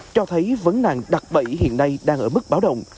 cho thấy vấn nạn đặc bẫy hiện nay đang ở mức bão động